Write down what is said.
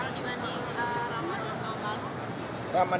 kalau dibanding ramadhan yang lalu